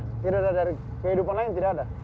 hidup mereka dari kehidupan lain tidak ada